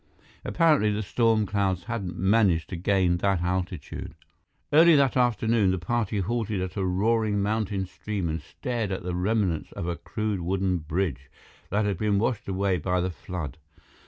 Apparently, the storm clouds hadn't managed to gain that altitude. Early that afternoon, the party halted at a roaring mountain stream and stared at the remnants of a crude wooden bridge that had been washed away by the flood.